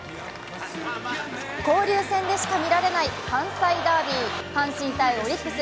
交流戦でしか見られない関西ダービー阪神×オリックス。